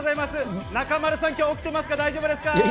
中丸さん、きょうは起きてますか、大丈夫ですか。